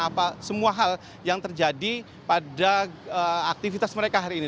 apa semua hal yang terjadi pada aktivitas mereka hari ini